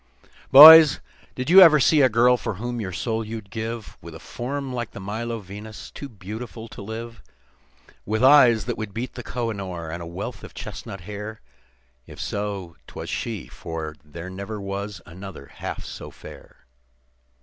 "Boys, did you ever see a girl for whom your soul you'd give, With a form like the Milo Venus, too beautiful to live; With eyes that would beat the Koh i noor, and a wealth of chestnut hair? If so, 'twas she, for there never was another half so fair.